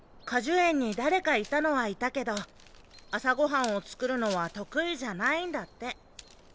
果樹園に誰かいたのはいたけど朝ごはんを作るのは得意じゃないんだって。